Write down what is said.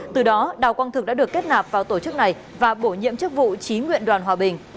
từ đó đào quang thực đã được kết nạp vào tổ chức này và bổ nhiệm chức vụ trí nguyện đoàn hòa bình